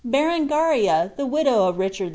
Berengaria. ihe widow of Richard L.